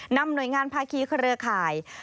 นำหน่วยงานภาคีเครือข่าย